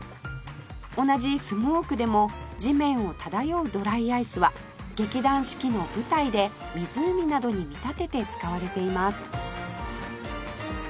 同じスモークでも地面を漂うドライアイスは劇団四季の舞台で湖などに見立てて使われています